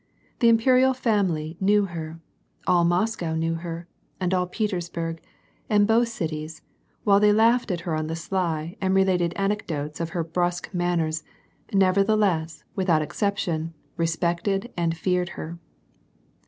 The imperial fam ily knew her, all Moscow knew her, and all Petersburg, and both cities, while they laughed at her on the sly and related anecdotes of her brusque manners, nevertheless, without ex ception, respected and feared her.